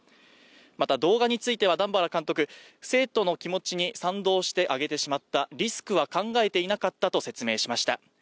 また動画については段原監督生徒の気持ちに賛同してあげてしまった、リスクは考えていなかったとしました。